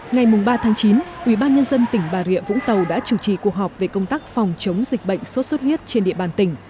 ngày ba chín ubnd tỉnh bà rịa vũng tàu đã chủ trì cuộc họp về công tác phòng chống dịch bệnh sốt xuất huyết trên địa bàn tỉnh